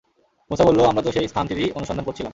মূসা বলল, আমরা তো সেই স্থানটিরই অনুসন্ধান করছিলাম।